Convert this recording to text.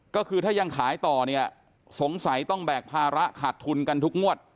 ก็คือถ้ายังขายต่อเนี่ยสงสัยต้องแบกภาระขาดทุนกันทุกงวด